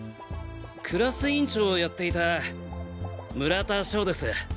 クラス委員長をやっていた村田匠です。